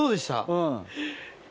うん。